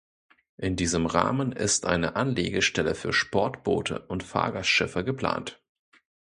In diesem Rahmen ist eine Anlegestelle für Sportboote und Fahrgastschiffe geplant.